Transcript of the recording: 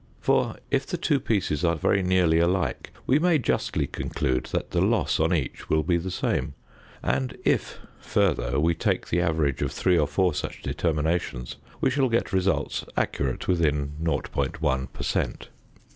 For, if the two pieces are very nearly alike, we may justly conclude that the loss on each will be the same; and if, further, we take the average of three or four such determinations we shall get results accurate within 0.1 per cent.